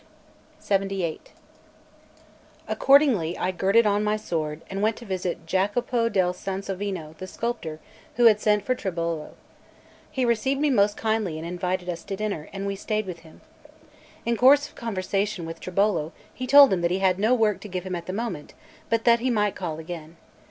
LXXVIII ACCORDINGLY I girded on my sword, and went to visit Jacopo del Sansovino, the sculptor, who had sent for Tribolo. He received me most kindly, and invited us to dinner, and we stayed with him. In course of conversation with Tribolo, he told him that he had no work to give him at the moment, but that he might call again.